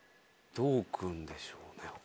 どう来るんでしょうね？